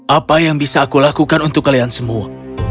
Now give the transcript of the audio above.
apa yang bisa aku lakukan untuk kalian semua